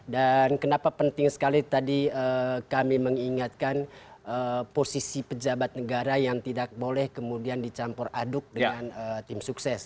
dan kenapa penting sekali tadi kami mengingatkan posisi pejabat negara yang tidak boleh kemudian dicampur aduk dengan tim sukses